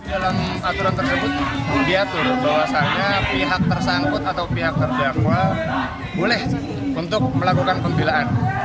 dalam aturan tersebut diatur bahwasannya pihak tersangkut atau pihak terdakwa boleh untuk melakukan pembelaan